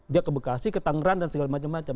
dia ke bekasi ke tangerang dan sebagainya